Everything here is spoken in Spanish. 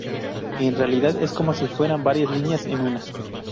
En realidad es como si fueran varias líneas en una.